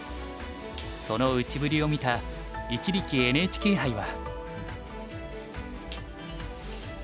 その打ちぶりを見た一力ＮＨＫ杯は。